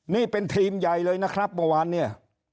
นี่เป็นทีมใหญ่เลยนะครับประวัตินี้